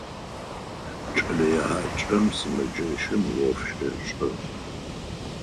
Кӏэлэегъаджэм сымэджэщым ӏоф щешӏэ.